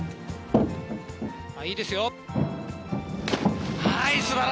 いいですよ。